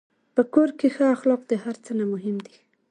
په کور کې ښه اخلاق د هر څه نه مهم دي.